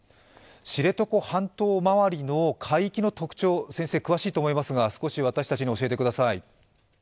知床半島周りの海域の特徴、詳しいと思いますが、少し私たちに教えてください。